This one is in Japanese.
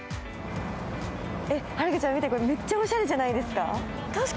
遥ちゃん、見てこれ、めっちゃおしゃれじゃないですか？